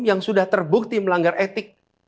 yang sudah terbukti melanggar etik